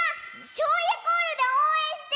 しょうゆコールでおうえんして！